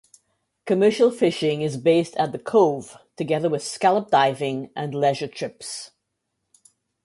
Commercial fishing is based at the cove, together with scallop diving and leisure trips.